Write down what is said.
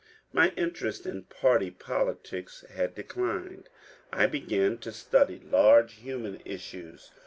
My interest in party politics had declined; I began to study large human issues.